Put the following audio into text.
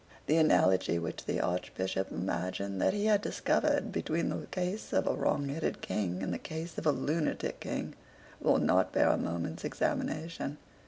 The analogy which the Archbishop imagined that he had discovered between the case of a wrongheaded King and the case of a lunatic King will not bear a moment's examination.